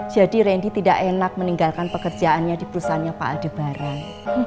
jadi rendy tidak enak meninggalkan pekerjaannya di perusahaan pak aldebaran